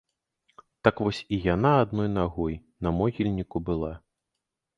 Так вось і яна адной нагой на могільніку была.